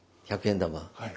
１００円玉。